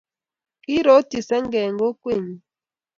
Kiirotyi senge eng' kokwenyin